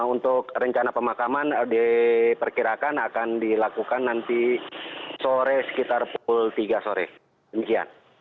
untuk rencana pemakaman diperkirakan akan dilakukan nanti sore sekitar pukul tiga sore demikian